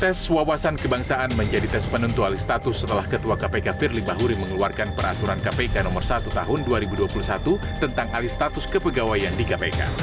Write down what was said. tes wawasan kebangsaan menjadi tes penentu alih status setelah ketua kpk firly bahuri mengeluarkan peraturan kpk nomor satu tahun dua ribu dua puluh satu tentang alih status kepegawaian di kpk